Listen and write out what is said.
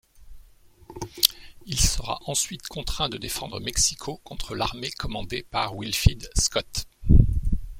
Il sera ensuite contraint de défendre Mexico contre l'armée commandée par Winfield Scott.